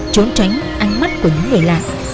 trốn tránh ánh mắt của những người lạ